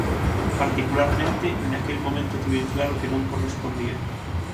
Particularmente, naquel momento tiven claro que non correspondía.